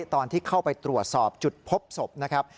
ตอนที่เข้าไปตรวจสอบจุดพบศพนะครับ